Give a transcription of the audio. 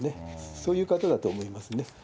そういう方だと思いますね。